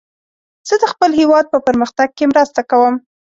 زه د خپل هیواد په پرمختګ کې مرسته کوم.